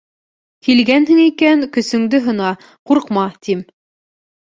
Килгәнһең икән, көсөңдө һына, ҡурҡма, тим...